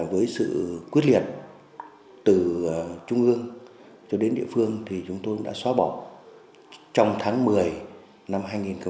với sự quyết liệt từ trung ương cho đến địa phương thì chúng tôi đã xóa bỏ trong tháng một mươi năm hai nghìn một mươi tám